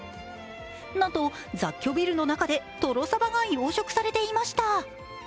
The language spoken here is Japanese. なんと、雑居ビルの中でとろサバが養殖されていました。